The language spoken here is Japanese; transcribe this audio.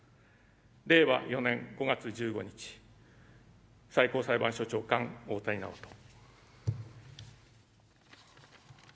令和４年５月１５日最高裁判所長官、大谷直人。